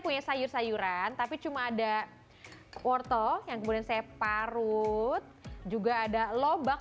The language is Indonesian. punya sayur sayuran tapi cuma ada wortel yang kemudian saya parut juga ada lobak